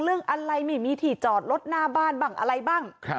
เรื่องอะไรไม่มีที่จอดรถหน้าบ้านบ้างอะไรบ้าง